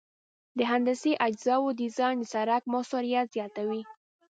د هندسي اجزاوو ډیزاین د سرک موثریت زیاتوي